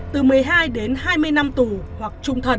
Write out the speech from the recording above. từ một mươi hai đến hai mươi năm tù hoặc trung thần